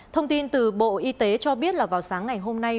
thông tin từ bộ y tế cho biết là vào sáng ngày hôm nay